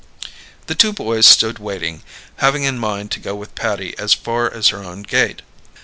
The two boys stood waiting, having in mind to go with Patty as far as her own gate.